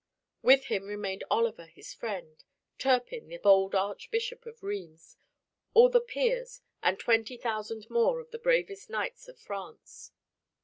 With him remained Oliver his friend, Turpin, the bold Archbishop of Rheims, all the peers, and twenty thousand more of the bravest knights of France.